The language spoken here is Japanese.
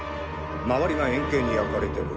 周りが円形に焼かれてる。